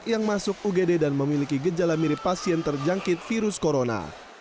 yang masuk ugd dan memiliki gejala mirip pasien terjangkit virus corona